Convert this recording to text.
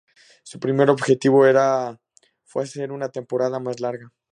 Su primer objetivo era fue hacer una temporada más larga.